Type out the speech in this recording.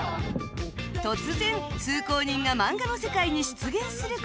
突然通行人が漫画の世界に出現する事も